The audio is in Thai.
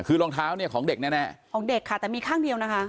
คือรองเท้าเนี่ยของเด็กแน่ของเด็กค่ะแต่มีข้างเดียวนะคะ